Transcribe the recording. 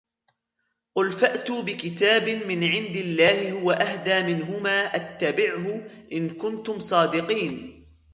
قُلْ فَأْتُوا بِكِتَابٍ مِنْ عِنْدِ اللَّهِ هُوَ أَهْدَى مِنْهُمَا أَتَّبِعْهُ إِنْ كُنْتُمْ صَادِقِينَ